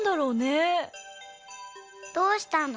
どうしたの？